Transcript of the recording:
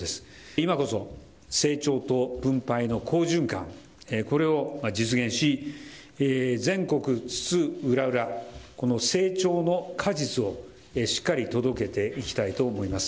今こそ、成長と分配の好循環、これを実現し、全国津々浦々、この成長の果実を、しっかり届けていきたいと思います。